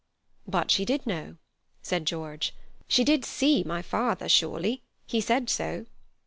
"But she did know," said George; "she did see my father, surely. He said so."